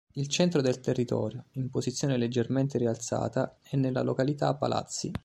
Il centro del territorio, in posizione leggermente rialzata, è nella località "Palazzi".